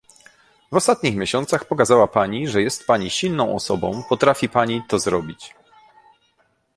W ostatnich miesiącach pokazała Pani, że jest Pani silną osobą, potrafi Pani to zrobić